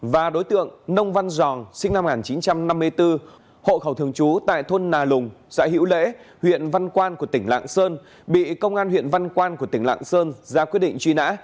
và đối tượng nông văn giòn sinh năm một nghìn chín trăm năm mươi bốn hộ khẩu thường trú tại thôn nà lùng xã hữu lễ huyện văn quan của tỉnh lạng sơn bị công an huyện văn quan của tỉnh lạng sơn ra quyết định truy nã